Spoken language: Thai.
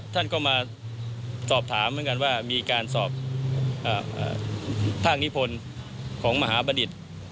ท่านก็มาสอบถามว่ามีการสอบทางนิพลของมหาบดิต